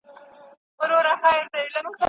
چې وژنه یې روا وه اوس هم شته